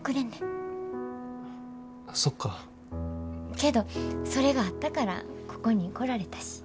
けどそれがあったからここに来られたし。